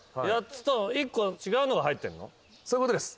そういうことです。